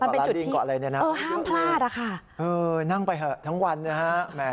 เป็นจุดที่เออห้ามพลาดอะค่ะนั่งไปเถอะทั้งวันนะฮะ